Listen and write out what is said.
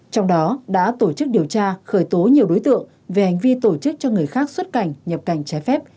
trong đó đã tổ chức điều tra khởi tố nhiều đối tượng về hành vi tổ chức cho người khác xuất cảnh nhập cảnh trái phép